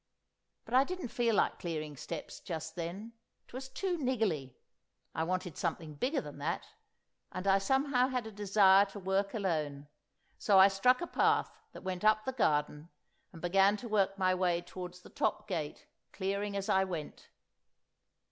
But I didn't feel like clearing steps just then; it was too niggly. I wanted something bigger than that, and I somehow had a desire to work alone, so I struck a path that went up the garden, and began to work my way towards the top gate, clearing as I went.